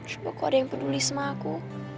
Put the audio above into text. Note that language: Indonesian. sebab kok ada yang peduli sama aku